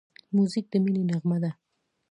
موزیک د مینې نغمه ده.